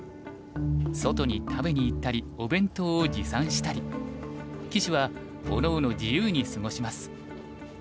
外に食べに行ったりお弁当を持参したり棋士はおのおの自由に過ごします。